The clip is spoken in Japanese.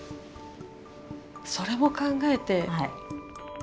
それも考えて。